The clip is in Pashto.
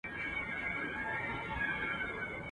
د یوې ورځي دي زر ډالره کیږي.